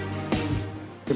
masih di sini